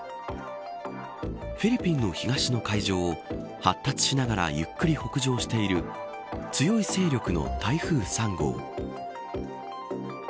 フィリピンの東の海上を発達しながらゆっくり北上している強い勢力の台風３号。